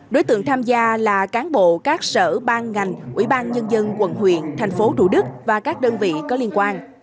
đối tượng tham gia là cán bộ các sở ban ngành ủy ban nhân dân quận huyện thành phố thủ đức và các đơn vị có liên quan